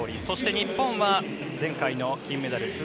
そして日本は前回の金メダル